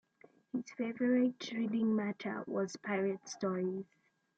His favorite reading matter was pirate stories.